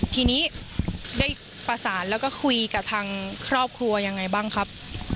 ทีนี้ได้ประสานแล้วก็คุยกับทางครอบครัวยังไงบ้างครับ